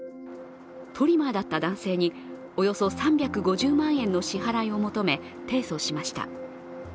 トリマーだった男性に、およそ３５０万円の支払いを求め提訴しました。